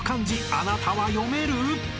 ［あなたは読める？］